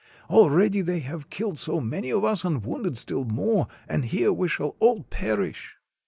Already they have killed so many of us, and wounded still more, and here we shall all perish."